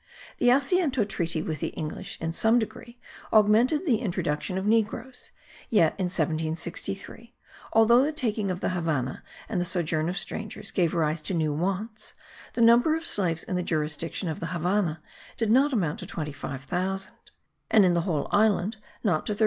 The Asiento treaty with the English in some degree augmented the introduction of negroes; yet in 1763, although the taking of the Havannah and the sojourn of strangers gave rise to new wants, the number of slaves in the jurisdiction of the Havannah did not amount to 25,000; and in the whole island, not to 32,000.